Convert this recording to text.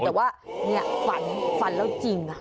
แต่ว่าเนี่ยฝันฝันแล้วจริง